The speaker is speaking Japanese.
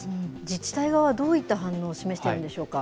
自治体側は、どういった反応を示しているんでしょうか？